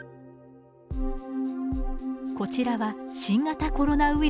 こちらは新型コロナウイルスです。